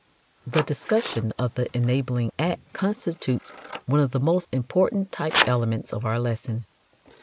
The discussion of the enabling act constitutes one of the most important "type elements" of our lesson.